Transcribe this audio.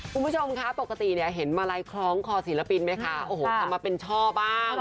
คุณผู้ชมค่ะปรกติเห็นมะไรคล้องคอศิลปินเป็นเป็นช่อบ้าง